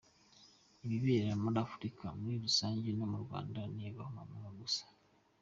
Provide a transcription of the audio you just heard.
Ibibera muri Africa muri rusange no mu Rwanda ni agahomamunwa gusa.